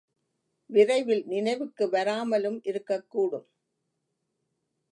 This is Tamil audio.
விரைவில் நினைவுக்கு வராமலும் இருக்கக்கூடும்.